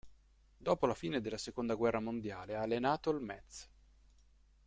Dopo la fine della seconda guerra mondiale ha allenato il Metz.